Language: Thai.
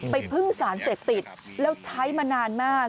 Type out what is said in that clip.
พึ่งสารเสพติดแล้วใช้มานานมาก